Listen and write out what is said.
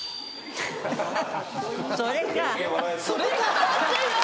・「それかぁ」